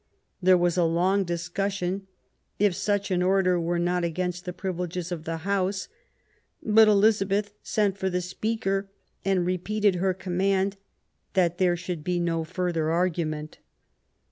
There was a long discussion if such an order were not against the privileges of the House, but Elizabeth sent for the Speaker and repeated her command that there should be no further argument